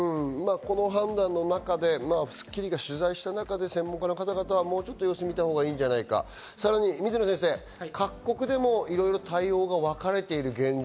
この判断の中で、『スッキリ』が取材した中で専門家の方々はもうちょっと様子を見たほうがいいんじゃないか、さらに水野先生、各国でもいろいろ対応が分かれている現状。